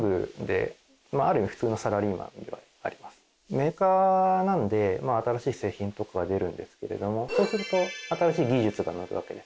メーカーなんで新しい製品とか出るんですけれどもそうすると新しい技術が。